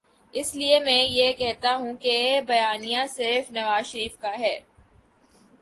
اس لیے میں یہ کہتا ہوں کہ بیانیہ صرف نوازشریف کا ہے۔